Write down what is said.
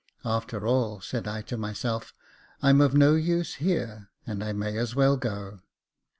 " After all," said I to myself, " I'm of no use here, and I may as well go."